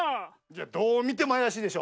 どうみてもあやしいでしょ。